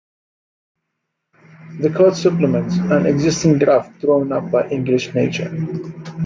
The code supplements an existing draft drawn up by English Nature.